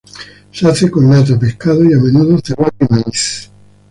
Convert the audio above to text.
Se hace con nata, pescado, y a menudo cebolla y maíz.